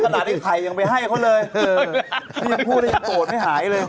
ขนาดนี่ไข่ยังไปให้เขาเลยที่พูดนั้นยังโกรธไม่หายเลย